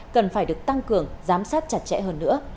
cần phải được tăng cường giám sát chặt chẽ hơn nữa